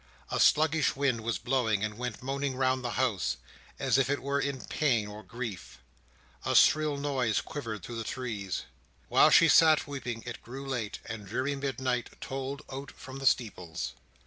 A sluggish wind was blowing, and went moaning round the house, as if it were in pain or grief. A shrill noise quivered through the trees. While she sat weeping, it grew late, and dreary midnight tolled out from the steeples.